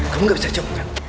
kamu gak bisa jawab kan